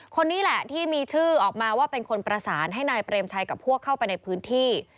คนนี้แหละที่มีชื่อออกมาว่าเป็นคนประสานให้นายเปรมชัยกับพวกเข้าไปในพื้นที่